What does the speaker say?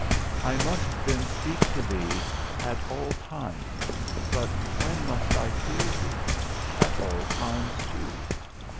I must then speak to thee at all times, but when must I fear thee? At all times too.